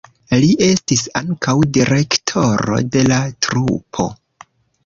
Li estis ankaŭ direktoro de la trupo.